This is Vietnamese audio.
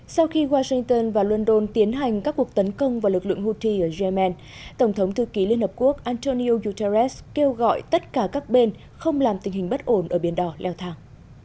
sau khi washington và london tiến hành các cuộc tấn công vào lực lượng houthi ở yemen tổng thống thư ký liên hợp quốc antonio guterres kêu gọi tất cả các bên không làm tình hình bất ổn ở biển đỏ leo thang